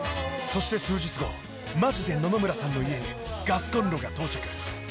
そして数日後マジで野々村さんの家にガスコンロが到着。